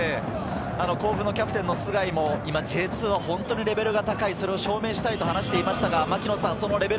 甲府・キャプテンの須貝もＪ２はレベルが高い、それを証明したいと話していました。